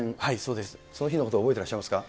その日のこと覚えてらっしゃいますか。